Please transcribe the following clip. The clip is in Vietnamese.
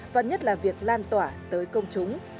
và nhất là việc lan tỏa tới công chúng